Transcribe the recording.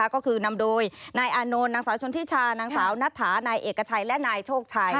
ก็คือนำโดยนายอานนท์นางสาวชนทิชานางสาวนัทถานายเอกชัยและนายโชคชัย